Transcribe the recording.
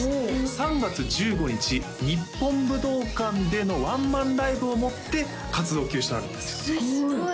３月１５日日本武道館でのワンマンライブをもって活動休止となるんですよすごい！